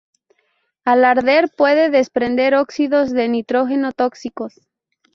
Al arder puede desprender óxidos de nitrógeno tóxicos.